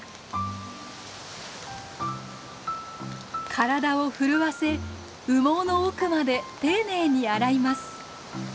体を震わせ羽毛の奥まで丁寧に洗います。